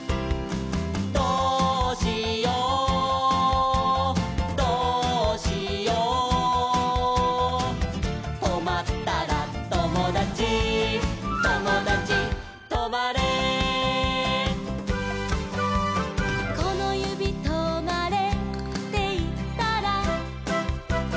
「どうしようどうしよう」「とまったらともだちともだちとまれ」「このゆびとまれっていったら」